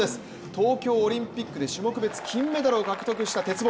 東京オリンピックで種目別金メダルを獲得した鉄棒。